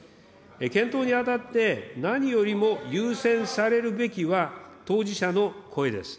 検討にあたって、何よりも優先されるべきは、当事者の声です。